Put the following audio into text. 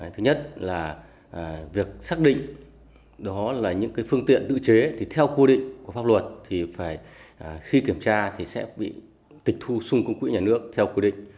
thứ nhất là việc xác định đó là những phương tiện tự chế thì theo quy định của pháp luật thì phải khi kiểm tra thì sẽ bị tịch thu xung công quỹ nhà nước theo quy định